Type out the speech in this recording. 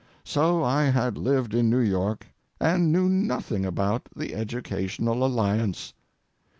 So I had lived in New York and knew nothing about the Educational Alliance.